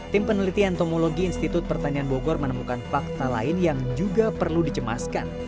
tim peneliti entomologi institut pertanian bogor menemukan fakta lain yang juga perlu dicemaskan